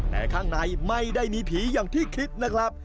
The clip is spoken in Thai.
แต่ข้างในไม่ได้มีผีอย่างที่คิดนะครับ